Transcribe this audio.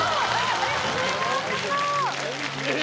ありがとうございますやった！